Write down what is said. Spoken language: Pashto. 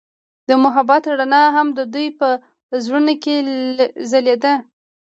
د محبت رڼا هم د دوی په زړونو کې ځلېده.